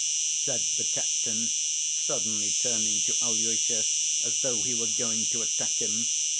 said the captain, suddenly turning to Alyosha, as though he were going to attack him.